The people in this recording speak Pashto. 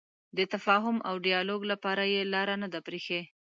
د تفاهم او ډیالوګ لپاره یې لاره نه ده پرېښې.